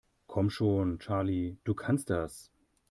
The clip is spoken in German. Komm schon, Charlie, du kannst das!